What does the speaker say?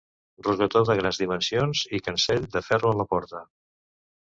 Rosetó de grans dimensions i cancell de ferro en la porta.